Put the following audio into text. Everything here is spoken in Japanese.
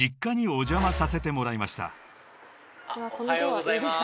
おはようございます。